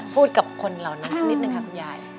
พูดกับคนเหล่านั้นสักนิดนึงค่ะคุณยาย